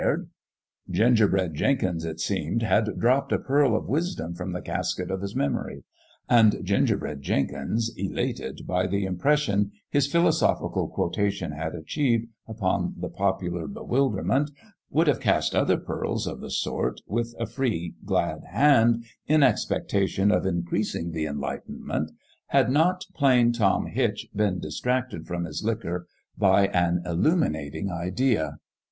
16 "The STRANGER at SWAMP'S END Gingerbread Jenkins, it seemed, had dropped a pearl of wisdom from the casket of his mem ory ; and Gingerbread Jenkins, elated by the im pression his philosophical quotation had achieved upon the popular bewilderment, would have cast other pearls of the sort, with a free, glad hand, in expectation of increasing the enlightenment, had not Plain Tom Hitch been distracted from his liquor by an illuminating idea.